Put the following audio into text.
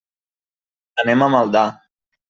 Anem a Maldà.